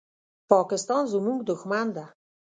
پاکستان زموږ دښمن ده.